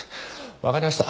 わかりました。